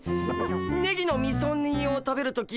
ネギのみそ煮を食べる時も。